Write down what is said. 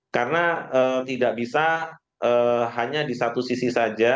karena tidak bisa hanya di satu sisi saja